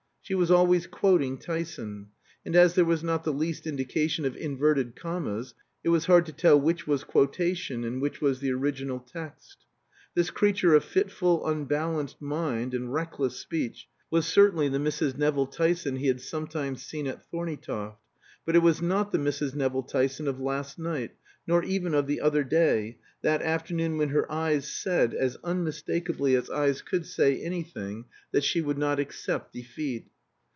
She was always quoting Tyson; and as there was not the least indication of inverted commas, it was hard to tell which was quotation and which was the original text. This creature of fitful, unbalanced mind and reckless speech was certainly the Mrs. Nevill Tyson he had sometimes seen at Thorneytoft; but it was not the Mrs. Nevill Tyson of last night, nor even of the other day, that afternoon when her eyes said, as unmistakably as eyes could say anything, that she would not accept defeat.